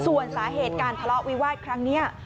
ส่วนสาเหตุการทะเลาะวิวาสครั้งนี้